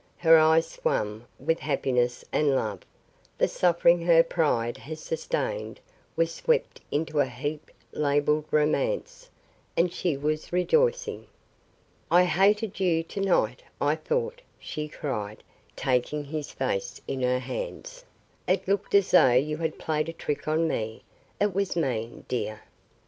Her eyes swam with happiness and love; the suffering her pride had sustained was swept into a heap labeled romance, and she was rejoicing. "I hated you to night, I thought," she cried, taking his face in her hands. "It looked as though you had played a trick on me. It was mean, dear.